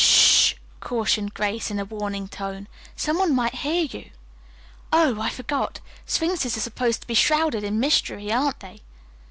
"S h h!" cautioned Grace in a warning tone. "Some one might hear you." "Oh, I forgot. Sphinxes are supposed to be shrouded in mystery, aren't they?"